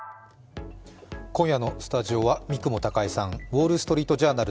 今夜のスタジオは三雲孝江さん、「ウォール・ストリート・ジャーナル」